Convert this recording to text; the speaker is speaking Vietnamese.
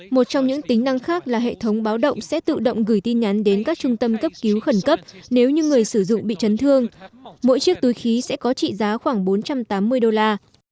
một trong những tính năng khác là hệ thống báo động sẽ tự động gửi tin nhắn đến các trung tâm cấp cứu khẩn cấp nếu như người sử dụng bị chấn thương mỗi chiếc túi khí sẽ có trị giá khoảng bốn trăm tám mươi đô la